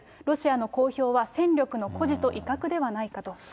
ロシアの公表は戦力の誇示と威嚇ではないかと。